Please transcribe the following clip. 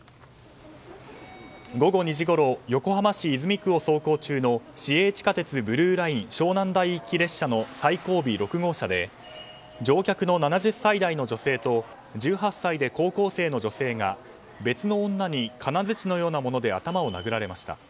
午後２時ごろ横浜市泉区を走行中の市営地下鉄ブルーライン湘南台行き列車の最後尾６号車で乗客の７０歳代の女性と１８歳で高校生の女性が別の女に金づちのようなもので頭を殴られました。